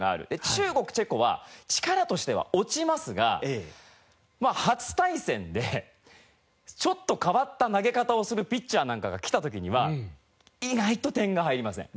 中国チェコは力としては落ちますがまあ初対戦でちょっと変わった投げ方をするピッチャーなんかがきた時には意外と点が入りません。